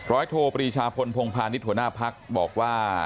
ร้อยโทษปรีชาพลพงภานิทหัวหน้าภักษ์บอกว่า